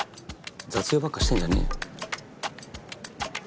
雑用ばっかしてんじゃねえよ。